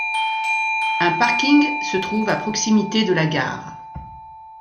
Un parking se trouve à proximité de la gare.